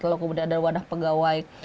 lalu kemudian ada wadah pegawai